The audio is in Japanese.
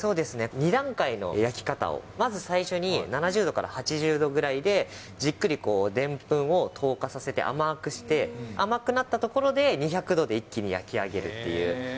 ２段階の焼き方を、まず最初に７０度から８０度ぐらいでじっくりでんぷんを糖化させて甘くして、甘くなったところで２００度で一気に焼き上げるっていう。